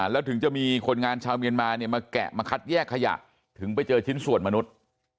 แล้วถึงจะมีคนงานชาวเมียนมาเนี่ยมาแกะมาคัดแยกขยะถึงไปเจอชิ้นส่วนมนุษย์